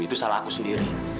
itu salah aku sendiri